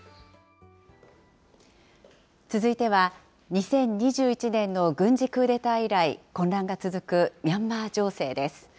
続いては、２０２１年の軍事クーデター以来、混乱が続くミャンマー情勢です。